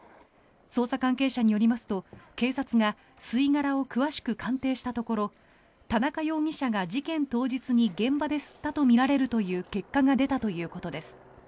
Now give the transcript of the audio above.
捜査関係者によりますと警察が吸い殻を詳しく鑑定したところ田中容疑者が事件当日に現場で吸ったとみられるという結果が出たということです。